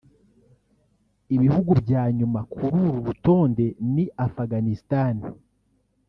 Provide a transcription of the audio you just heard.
Ibihugu bya nyuma kuri uru rutonde ni Afghanistan